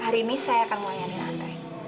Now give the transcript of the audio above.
hari ini saya akan melayani anda